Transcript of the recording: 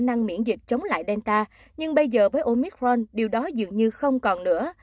năng miễn dịch chống lại delta nhưng bây giờ với omicron điều đó dường như không còn nữa